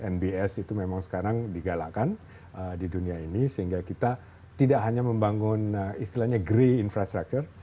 nbs itu memang sekarang digalakkan di dunia ini sehingga kita tidak hanya membangun istilahnya grey infrastructure